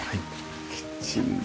キッチンだ